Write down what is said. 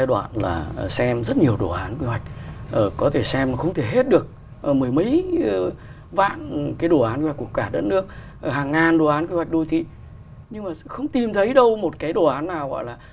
đâu một cái đồ án nào gọi là